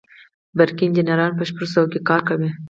برقي انجینران په شپږو ساحو کې کار کوي.